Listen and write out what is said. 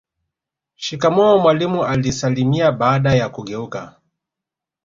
Shikamoo mwalimu alisalimia baada ya kugeuka